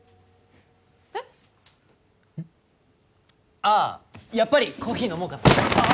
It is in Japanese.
ああやっぱりコーヒー飲もうかなああ！